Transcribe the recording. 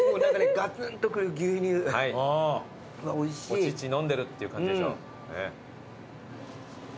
お乳飲んでるっていう感じでしょ。